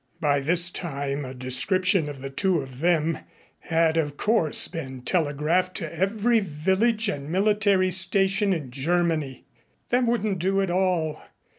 By this time a description of the two of them had, of course, been telegraphed to every village and military station in Germany. That wouldn't do at all.